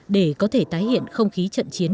để có thể tái hiện không khí trận chiến